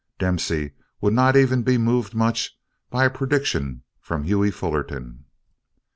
Dempsey would not even be moved much by a prediction from Hughie Fullerton.